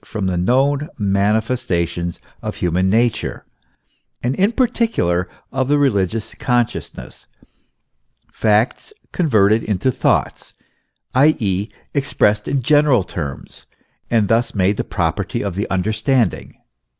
from the known manifestations of human nature, and in par ticular of the religious consciousness, facts converted into thoughts, i. e., expressed in general terms, and thus made the property of the understanding.